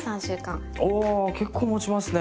おお結構もちますね！